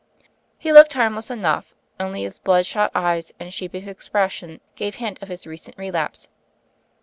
He looked harmless enough: only his blood shot eyes and sheepish expression gave hint of his recent relapse.